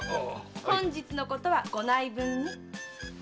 本日のことはご内聞に。